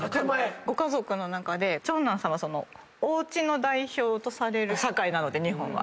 ご家族の中で長男さんはおうちの代表とされる社会なので日本は。